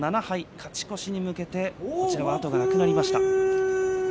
勝ち越しに向けてこちらは後がなくなりました。